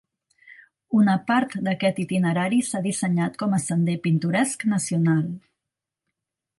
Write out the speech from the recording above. Una part d'aquest itinerari s'ha dissenyat com a Sender Pintoresc Nacional.